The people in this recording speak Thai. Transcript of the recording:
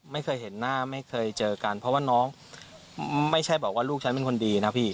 ไม่เคยเห็นหน้าไม่เคยเจอกันเพราะว่าน้องไม่ใช่บอกว่าลูกฉันเป็นคนดีนะพี่